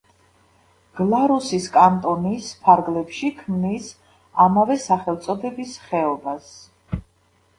გლარუსის კანტონის ფარგლებში ქმნის ამავე სახელწოდების ხეობას.